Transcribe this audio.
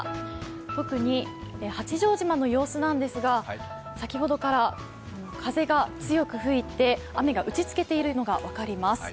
特に八丈島の様子なんですが先ほどから風が強く吹いて雨が打ちつけているのが分かります。